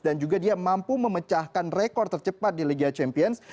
dan juga dia mampu memecahkan rekor tercepat di liga champions